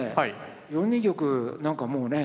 ４二玉なんかもうねえ